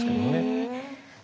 へえ。